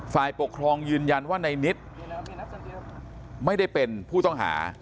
ฝ่ายปกครองยืนยันว่าในนิดไม่ได้เป็นผู้ต้องหา